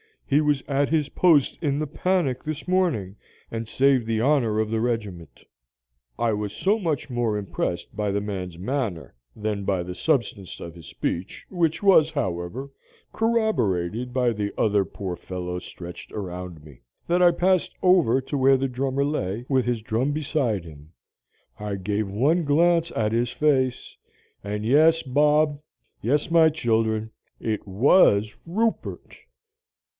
He was at his post in the panic this morning, and saved the honor of the regiment.' I was so much more impressed by the man's manner than by the substance of his speech, which was, however, corroborated by the other poor fellows stretched around me, that I passed over to where the drummer lay, with his drum beside him. I gave one glance at his face and yes, Bob yes, my children it WAS Rupert.